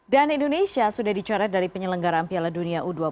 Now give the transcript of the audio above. dan indonesia sudah dicoret dari penyelenggaraan piala dunia u dua puluh